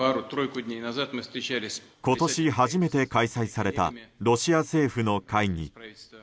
今年初めて開催されたロシア政府の会議。